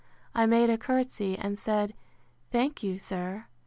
I made a courtesy, and said, Thank you, sir.